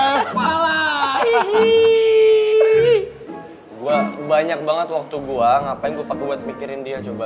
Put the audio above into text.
ngepala hihi wah banyak banget waktu gua ngapain gue takut buat mikirin dia coba